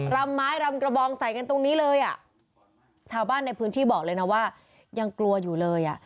รำไม้รำกระบองใส่กันตรงนี้เลยเช้าบ้านที่บอกเลยว่ายังกลัวอยู่เลย